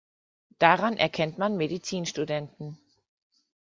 Daran erkennt man Medizinstudenten.